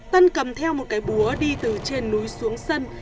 tân cầm theo một cái búa đi từ trên núi xuống sân